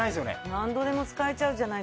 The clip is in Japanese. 何度でも使えちゃうじゃない！